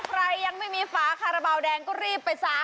ใครยังไม่มีฝาคาราบาลแดงก็รีบไปซะ